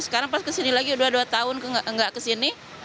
sekarang pas kesini lagi udah dua tahun nggak kesini